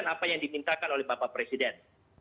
ini adalah yang dimintakan oleh bapak presiden